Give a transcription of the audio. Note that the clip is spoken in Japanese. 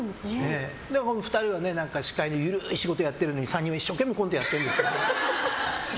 ２人は司会で緩い仕事をやっているのに３人は一生懸命コントしてるんですよ。